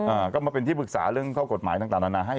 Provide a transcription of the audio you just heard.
อ่าก็มาเป็นที่ปรึกษาเรื่องข้อกฎหมายต่างต่างนานาให้